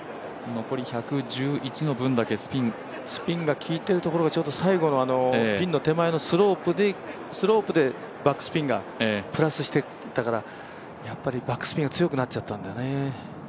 残り１１１の分だけスピンスピンが効いてるところが最後のピンの手前のスロープでバックスピンがプラスしていたからやっぱりバックスピンが強くなっちゃったんだね。